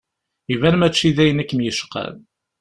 Iban mačči d ayen i kem-yecqan.